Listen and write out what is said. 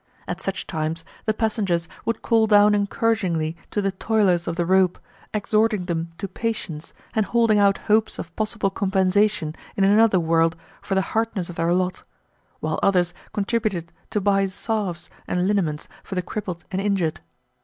At such times the passengers would call down encouragingly to the toilers of the rope, exhorting them to patience, and holding out hopes of possible compensation in another world for the hardness of their lot, while others contributed to buy salves and liniments for the crippled and injured.